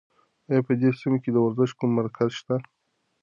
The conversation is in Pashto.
ایا په دې سیمه کې د ورزش کوم مرکز شته؟